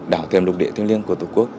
đảo thêm lục địa thương liêng của tổ quốc